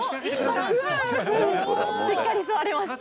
しっかり座りました。